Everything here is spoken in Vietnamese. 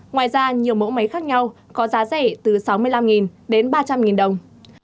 ngoài ra nhiều mẫu máy khác nhau có giá rẻ từ sáu mươi năm đến ba trăm linh đồng